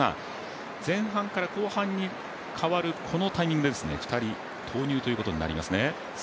前半から後半に変わるこのタイミングで２人、投入になりますね。